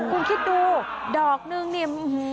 คุณคิดดูดอกนึงเนี่ย